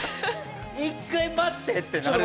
一回待ってってなる。